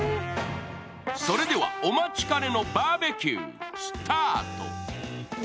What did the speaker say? それではお待ちかねのバーベキュー、スタート。